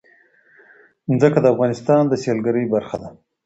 ځمکه د افغانستان د سیلګرۍ برخه ده.